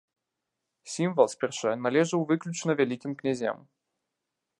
Сімвал спярша належаў выключна вялікім князям.